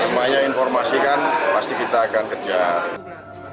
banyak informasi kan pasti kita akan kejar